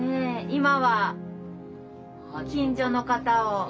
今は近所の方を。